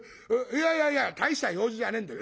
いやいや大した用事じゃねえんだよ。